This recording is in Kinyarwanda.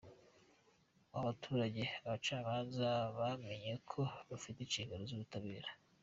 w’abaturage; Abacamanza bamenye ko bafite inshingano y’Ubutabera no